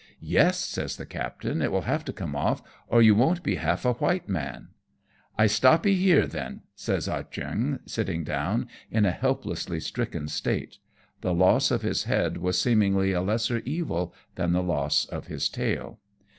" Yes," says the captain ;" it will have to come off, or you won't be half a white man." " I stopee here then," says Ah Cheong, sitting down in a helplessly stricken state ; the loss of his head was seemingly a lesser evil than the loss of his tail.